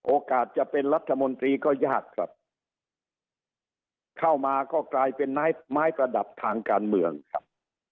จะเป็นรัฐมนตรีก็ยากครับเข้ามาก็กลายเป็นไม้ไม้ประดับทางการเมืองครับ